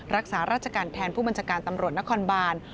รักษาราชการแทนผู้บัญชาการตำรวจนครบาน